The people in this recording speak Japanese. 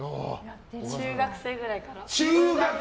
中学生くらいから。